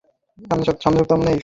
সুতরাং সে-ই এসে এদেরকে ভেঙ্গেছে।